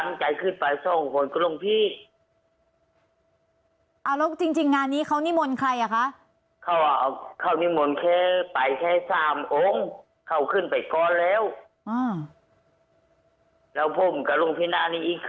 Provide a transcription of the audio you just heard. แล้วจริงงานนี้เขานิมนต์ใครคะ